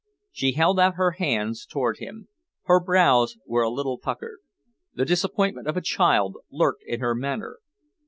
She held out her hands towards him. Her brows were a little puckered. The disappointment of a child lurked in her manner.